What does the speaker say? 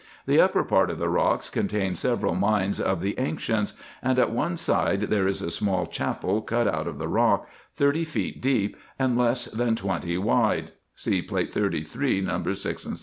The upper part of the rocks contains several mines of the ancients, and at one side there is a small chapel cut out of the rock, thirty feet deep, and less than twenty wide (See Plate 33, Nos. 6 and 7).